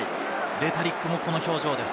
レタリックもこの表情です。